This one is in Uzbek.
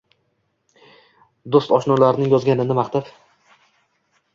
doʻst-oshnolaring yozganingni maqtab